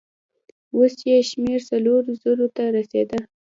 اوس يې شمېر څلورو زرو ته رسېده.